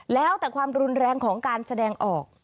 แล้วแต่ความรุนแรงของการแสดงออก